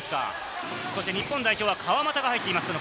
日本代表は川真田が入っています。